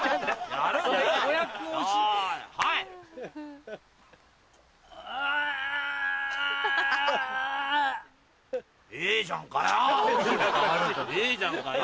いいじゃんかよ